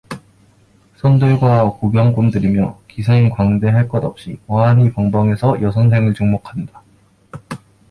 손들과 구경꾼들이며 기생 광대 할 것 없이 어안이 벙벙해서 여선생을 주목한다.